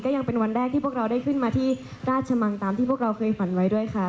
ยังเป็นวันแรกที่พวกเราได้ขึ้นมาที่ราชมังตามที่พวกเราเคยฝันไว้ด้วยค่ะ